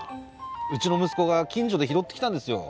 うちの息子が近所で拾ってきたんですよ